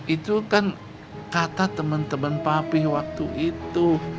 itu kan kata teman teman papi waktu itu